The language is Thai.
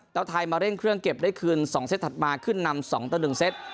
แล้วไทยมาเล่นเครื่องเก็บได้คืนสองเซ็ตถัดมาขึ้นนำสองตัวหนึ่งเซ็ต